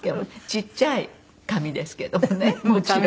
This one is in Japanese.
ちっちゃい紙ですけどもねもちろん。